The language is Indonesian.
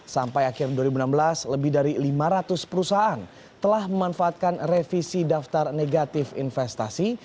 sampai akhir dua ribu enam belas lebih dari lima ratus perusahaan telah memanfaatkan revisi daftar negatif investasi